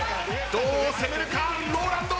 どう攻めるかＲＯＬＡＮＤ。